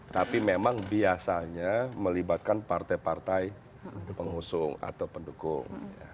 tapi memang biasanya melibatkan partai partai pengusung atau pendukung